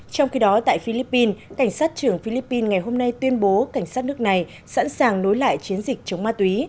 trong khi đó tại philippines cảnh sát trưởng philippines ngày hôm nay tuyên bố cảnh sát nước này sẵn sàng nối lại chiến dịch chống ma túy